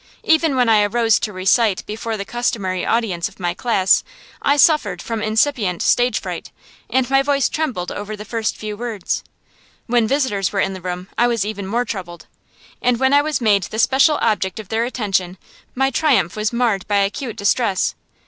Even when I arose to recite before the customary audience of my class I suffered from incipient stage fright, and my voice trembled over the first few words. When visitors were in the room I was even more troubled; and when I was made the special object of their attention my triumph was marred by acute distress.